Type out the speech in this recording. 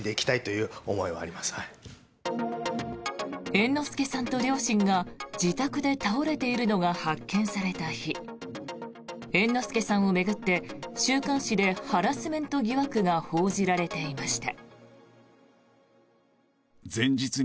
猿之助さんと両親が自宅で倒れているのが発見された日猿之助さんを巡って週刊誌でハラスメント疑惑が報じられていました。